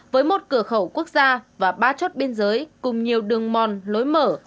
với một cửa khẩu quốc gia và ba chốt biên giới cùng nhiều đường mòn lối mở